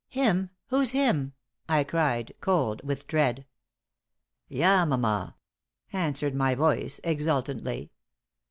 "Him? Who's him?" I cried, cold with dread. "Yamama," answered my voice, exultantly.